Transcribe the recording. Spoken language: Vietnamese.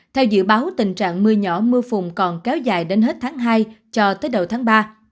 theo dự báo tình trạng mưa nhỏ mưa phùn còn kéo dài đến hết tháng hai cho tới đầu tháng ba